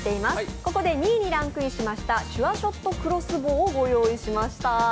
ここで２位にランクインしましたシュアショットクロスボウをご用意しました。